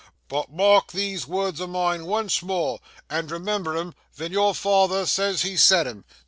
But mark these wurds o' mine once more, and remember 'em ven your father says he said 'em.